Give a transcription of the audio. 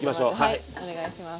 はいお願いします。